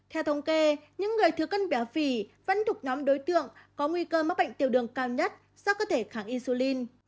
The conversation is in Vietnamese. theo thống kê những người thừa cân béo phì vẫn thuộc nhóm đối tượng có nguy cơ mắc bệnh tiểu đường cao nhất do cơ thể kháng insulin